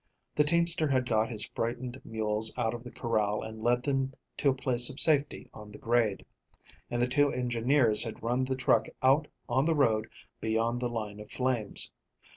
The teamster had got his frightened mules out of the corral and led them to a place of safety on the grade, and the two engineers had run the truck out on the road beyond the line of flames.